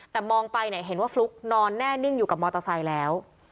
แต่มองไปเนี่ยเห็นว่าฟลุ๊กนอนแน่นิ่งอยู่กับมอเตอร์ไซค์แล้ว